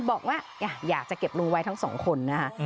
บอกว่าอยากจะเก็บลุงไว้ทั้งสองคนนะคะ